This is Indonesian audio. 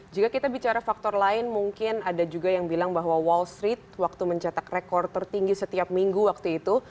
jika kita bicara faktor lain mungkin ada juga yang bilang bahwa wall street waktu mencetak rekor tertinggi setiap minggu waktu itu